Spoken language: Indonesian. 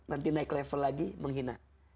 nanti naik level lagi menghina